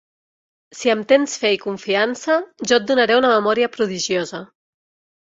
Si em tens fe i confiança, jo et donaré una memòria prodigiosa.